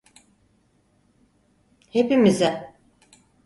Hepimize.